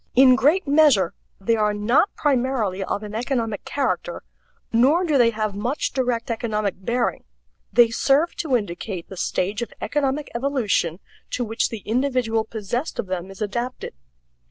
In great measure they are not primarily of an economic character, nor do they have much direct economic bearing. They serve to indicate the stage of economic evolution to which the individual possessed of them is adapted.